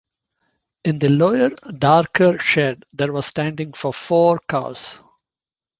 In the lower, darker shed there was standing for four cows.